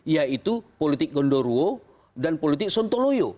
yaitu politik gondoruo dan politik sontoloyo